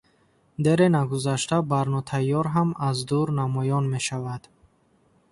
Дере нагузашта Барнотайёр ҳам аз дур намоён мешавад.